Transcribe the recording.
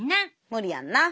無理やんな。